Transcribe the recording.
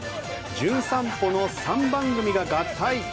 「じゅん散歩」の３番組が合体！